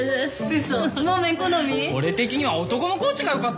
俺的には男のコーチがよかったな。